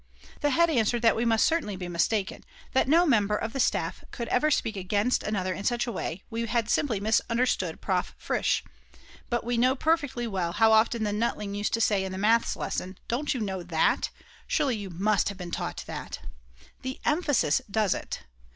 The head answered we must certainly be mistaken, that no member of the staff could ever speak against another in such a way we had simply misunderstood Prof Fritsch! But we know perfectly well how often the Nutling used to say in the Maths lesson: "Don't you know that? Surely you must have been taught that." The emphasis does it!!!!!